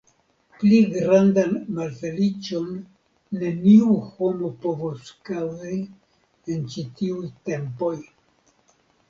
Pli grandan malfeliĉon neniu homo povus kaŭzi en ĉi tiuj tempoj.